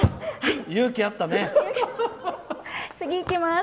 次いきます。